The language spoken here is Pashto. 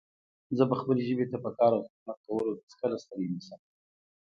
زه به خپلې ژبې ته په کار او خدمت کولو هيڅکله ستړی نه شم